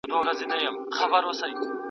اثباتي مرحله یوه علمي دوره ګڼل کیږي.